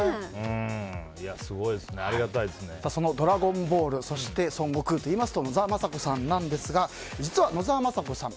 その「ドラゴンボール」そして孫悟空といいますと野沢雅子さんですが実は野沢雅子さん